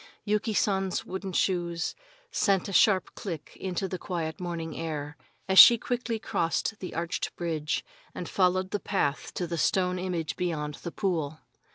Yuki San's wooden shoes sent a sharp click into the quiet morning air as she quickly crossed the arched bridge and followed the path to the stone image beyond the pool.